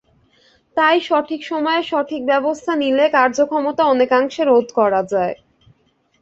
তাই সঠিক সময়ে সঠিক ব্যবস্থা নিলে কার্যক্ষমতা অনেকাংশে রোধ করা যায়।